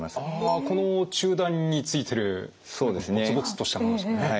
あこの中段についてるゴツゴツとしたものですね。